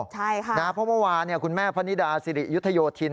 ใช่ค่ะนะครับเพราะเมื่อวานคุณแม่พระนิดาศิริยุทธโยธิน